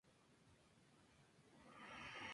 Fue hija de actores.